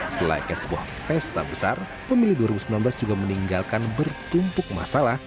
selain sebuah pesta besar pemilih dua ribu sembilan belas juga meninggalkan bertumpuk masalah